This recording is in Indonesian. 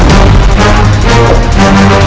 aku akan menang